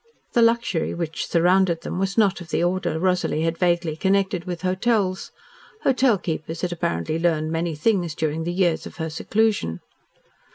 The luxury which surrounded them was not of the order Rosalie had vaguely connected with hotels. Hotel keepers had apparently learned many things during the years of her seclusion.